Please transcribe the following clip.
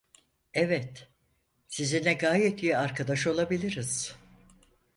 Evet, sizinle gayet iyi arkadaş olabiliriz…